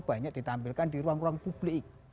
banyak ditampilkan di ruang ruang publik